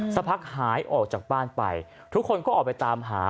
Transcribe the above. สักพักหายออกจากบ้านไปทุกคนก็ออกไปตามหา